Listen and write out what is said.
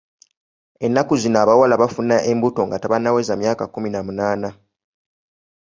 Ennaku zino abawala bafuna embuto nga tebannaweza myaka kkumi na munaana.